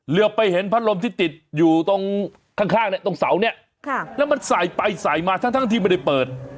เหลือไปเห็นพัดลมที่ติดอยู่ตรงข้างเนี่ยตรงเสาเนี่ยแล้วมันใส่ไปใส่มาทั้งที่ไม่ได้เปิด